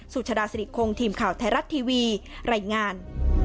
สุชฎาสนิทโครงทีมข่าวไทยรัตน์ทีวีไหล่งาน